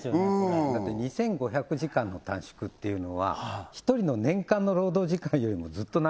これだって２５００時間の短縮っていうのは１人の年間の労働時間よりもずっと長いんですよ